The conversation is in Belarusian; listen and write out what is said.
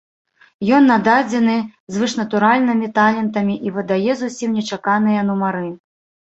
Ён нададзены звышнатуральнымі талентамі і выдае зусім нечаканыя нумары.